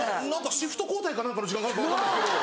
シフト交代か何かの時間があるか分かんないんですけど。